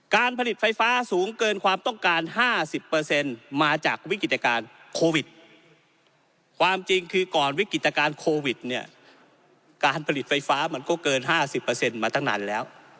การผลิตไฟฟ้ามันก็เกินมาตั้งนานแล้ว